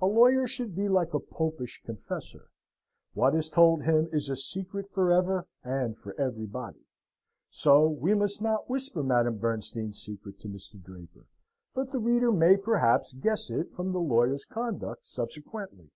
"A lawyer should be like a Popish confessor, what is told him is a secret for ever, and for everybody." So we must not whisper Madame Bernstein's secret to Mr. Draper; but the reader may perhaps guess it from the lawyer's conduct subsequently.